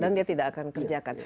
dan dia tidak akan kerjakan